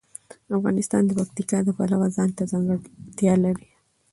افغانستان د پکتیکا د پلوه ځانته ځانګړتیا لري.